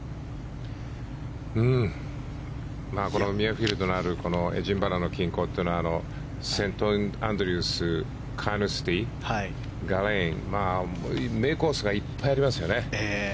このミュアフィールドのあるエディンバラの近郊というのはセントアンドリュースカーヌスティ名コースがいっぱいありますよね。